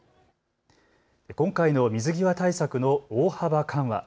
今回の水際対策の大幅緩和。